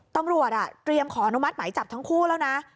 ตำรวจเตรียมขออนุมัติหมายจับทั้งคู่แล้วนะ